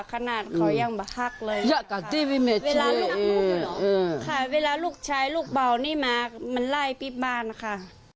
มันไล่ปิ๊บบ้านค่ะ